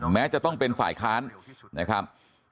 แม้จะต้องเป็นฝ่ายค้านนะครับ